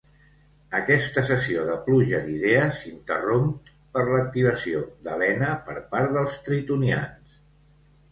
Aquesta sessió de pluja d'idees s'interromp per l'activació d'Helena per part dels tritonians.